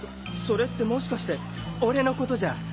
そそれってもしかして俺のことじゃ？